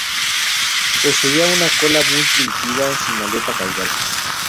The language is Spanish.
Poseía una cola muy primitiva, sin aleta caudal.